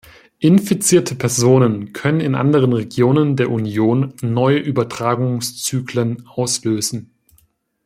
Infizierte Personen können in anderen Regionen der Union neue Übertragungszyklen auslösen.